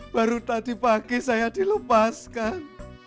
baru tadi pagi saya dilepaskan